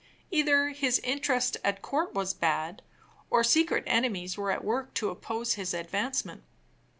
Either his interest at court was bad, or secret enemies were at work to oppose his advancement.